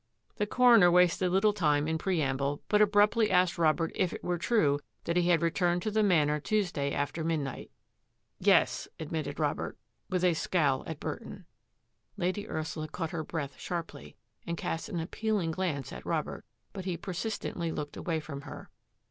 The coroner wasted little time in preamble, but abruptly asked Robert if it were true that he had returned to the Manor Tuesday after midnight. " Yes," admitted Robert, with a scowl at Bur ton. Lady Ursula caught her breath sharply and cast an appealing glance at Robert, but he persist ently looked away from her.